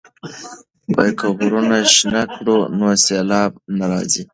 که غرونه شنه کړو نو سیلاب نه راځي.